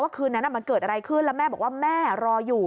คืนนั้นมันเกิดอะไรขึ้นแล้วแม่บอกว่าแม่รออยู่